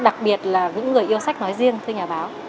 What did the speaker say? đặc biệt là những người yêu sách nói riêng thưa nhà báo